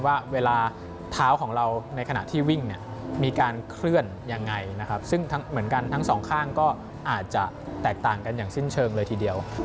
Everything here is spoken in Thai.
ว่าเวลาเท้าของเราในขณะที่วิ่งเนี่ยมีการเคลื่อนยังไงนะครับซึ่งเหมือนกันทั้งสองข้างก็อาจจะแตกต่างกันอย่างสิ้นเชิงเลยทีเดียว